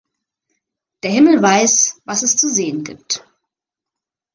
Der Himmel weiß, was es zu sehen gibt.